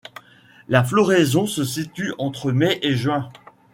La floraison se situe entre mai et juin.